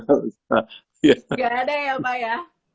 tidak ada ya pak ya